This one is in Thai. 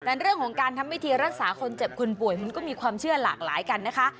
แต่เรื่องของการทำวิธีรักษาคนเจ็บคนป่วยมันก็มีความเชื่อหลากหลายกันนะคะ